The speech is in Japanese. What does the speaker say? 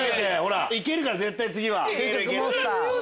いけるから絶対次は。